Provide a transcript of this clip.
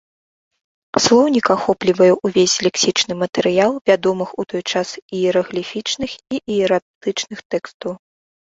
Слоўнік ахоплівае ўвесь лексічны матэрыял вядомых у той час іерагліфічных і іератычных тэкстаў.